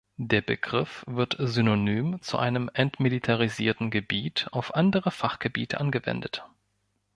Der Begriff wird synonym zu einem entmilitarisierten Gebiet auf andere Fachgebiete angewendet.